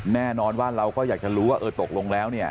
แน่นอนว่าเราก็อยากจะรู้ว่าเออตกลงแล้วเนี่ย